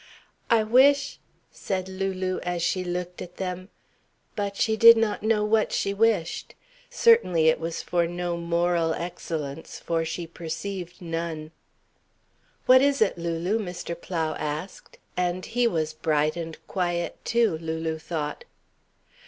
"I wish " said Lulu, as she looked at them. But she did not know what she wished. Certainly it was for no moral excellence, for she perceived none. "What is it, Lulu?" Mr. Plow asked, and he was bright and quiet too, Lulu thought.